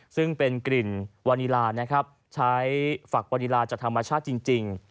ซึ่งเป็นกลิ่นวานีลานะครับใช้ฝักวาดีลาจากธรรมชาติจริง